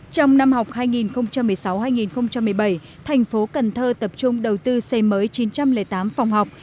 trong năm học hai nghìn một mươi sáu hai nghìn một mươi bảy thành phố cần thơ tập trung đầu tư xây mới chín trăm linh tám phòng học